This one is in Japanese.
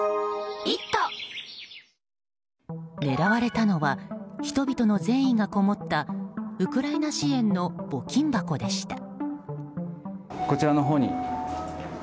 狙われたのは人々の善意がこもったウクライナ支援の募金箱でした。